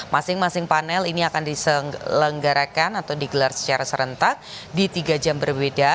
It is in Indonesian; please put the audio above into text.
masing masing panel ini akan diselenggarakan atau digelar secara serentak di tiga jam berbeda